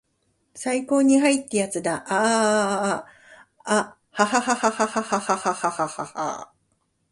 最高にハイ!ってやつだアアアアアアハハハハハハハハハハーッ